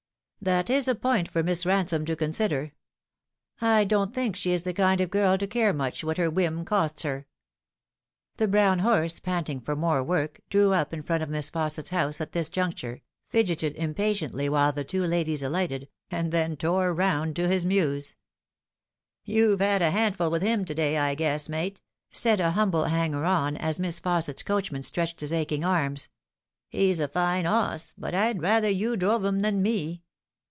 " That is a point for Miss Ransome to consider. I don't think she is the kind of girl to care much what her whim costs her." The brown horse, panting for more work, drew up in front of Miss Fausset's house at this juncture, fidgeted impatiently while the two ladies alighted, and then tore round to his mews. " You've had a handful with him to day, I guess, mate," 200 The Fatal Three. said a humble hanger on, as Miss Fausset's coachman stretched his aching arms. " He's a fine 'oss, but I'd rather you drove 'hn than me."